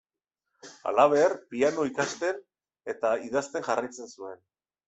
Halaber, piano ikasten eta idazten jarraitzen zuen.